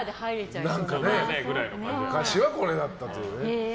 昔はこれだったというね。